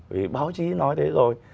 vì báo chí nói thế rồi